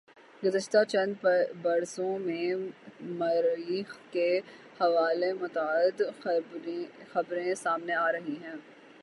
گزشتہ چند بر سوں میں مریخ کے حوالے متعدد خبریں سامنے آرہی ہیں